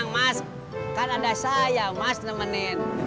mas kan ada saya mas nemenin